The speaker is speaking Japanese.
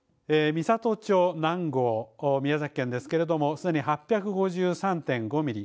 美郷町南郷、宮崎県ですけれどもすでに８５３．５ミリ。